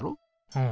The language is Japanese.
うん。